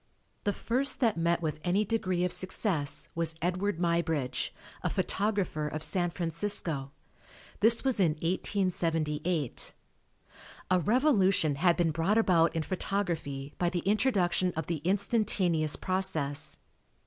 The first that met with any degree of success was Edward Muybridge, a photographer of San Francisco. This was in 1878. A revolution had been brought about in photography by the introduction of the instantaneous process.